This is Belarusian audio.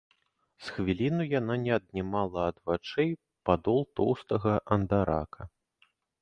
З хвіліну яна не аднімала ад вачэй падол тоўстага андарака.